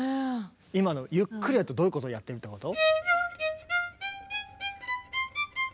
今のゆっくりやるとどういうことをやってるってこと？